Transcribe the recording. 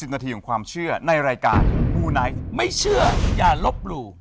นาทีของความเชื่อในรายการมูไนท์ไม่เชื่ออย่าลบหลู่